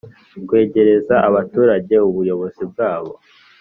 kwegereza abaturage ubuyobozi bwabo